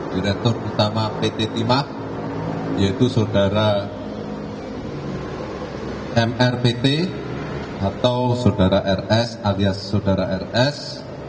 direktur utama pt timah yaitu saudara mrpt atau saudara rs alias saudara rs